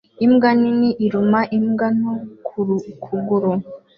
Imbwa nini iruma imbwa nto ku kuguru